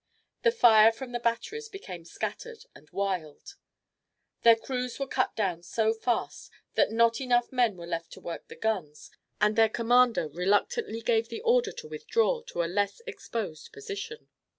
The fire from the batteries became scattered and wild. Their crews were cut down so fast that not enough men were left to work the guns, and their commander reluctantly gave the order to withdraw to a less exposed position.